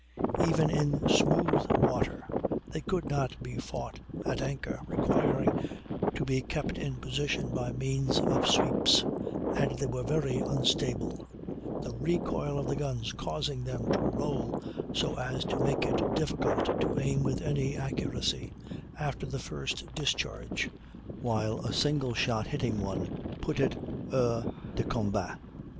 Even in smooth water they could not be fought at anchor, requiring to be kept in position by means of sweeps; and they were very unstable, the recoil of the guns causing them to roll so as to make it difficult to aim with any accuracy after the first discharge, while a single shot hitting one put it hors de combat.